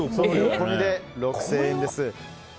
これで６０００円です。